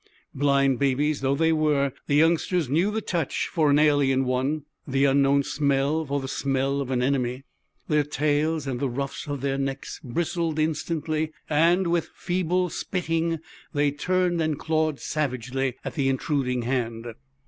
Blind babies though they were, the youngsters knew the touch for an alien one, the unknown smell for the smell of an enemy. Their tails and the ruffs of their necks bristled instantly, and, with a feeble spitting, they turned and clawed savagely at the intruding hand.